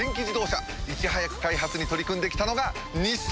いち早く開発に取り組んで来たのが日産！